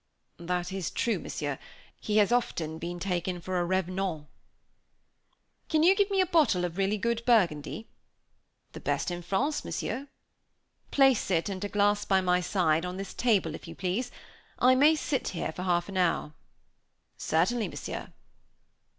"That is true, Monsieur; he has been often taken for a revenant." "Can you give me a bottle of really good Burgundy?" "The best in France, Monsieur." "Place it, and a glass by my side, on this table, if you please. I may sit here for half an hour." "Certainly, Monsieur."